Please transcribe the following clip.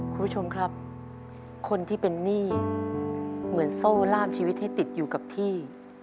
คุณผู้ชมครับคนที่เป็นหนี้เหมือนโซ่ล่ามชีวิตให้ติดอยู่กับที่